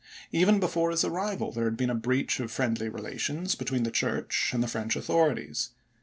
Even before his arrival there had been a breach of friendly relations between the Church and the French authorities.